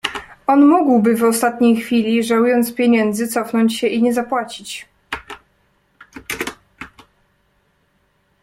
"On mógłby w ostatniej chwili, żałując pieniędzy, cofnąć się i nie zapłacić."